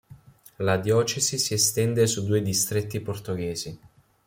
La diocesi si estende su due distretti portoghesi.